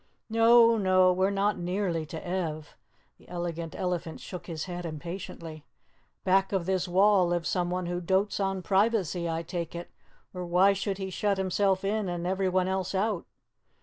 "No, no, we're not nearly to Ev." The Elegant Elephant shook his head impatiently. "Back of this wall lives someone who dotes on privacy, I take it, or why should he shut himself in and everyone else out?